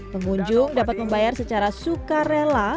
pengunjung dapat membayar secara suka rela untuk masuk ke lokasi wisata